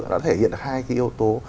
đã thể hiện hai yếu tố